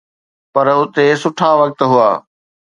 پر اتي سٺا وقت هئا.